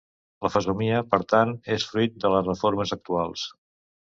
La fesomia, per tant, és fruit de les reformes actuals.